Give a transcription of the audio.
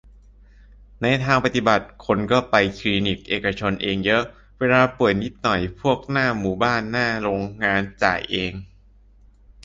ในทางปฏิบัติคนก็ไปคลินิคเอกชนเองเยอะ เวลาป่วยนิดหน่อย พวกหน้าหมู่บ้านหน้าโรงงาน จ่ายเอง